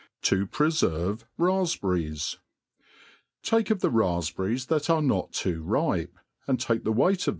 *« To preferve Rafpberties* TAKE of the rafpberries that are not too ripe^ and take the t)ircight of.